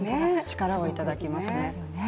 力をいただきましたね。